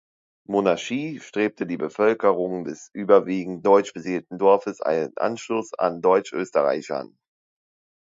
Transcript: Monarchie strebte die Bevölkerung des überwiegend deutsch besiedelten Dorfes einen Anschluss an Deutschösterreich an.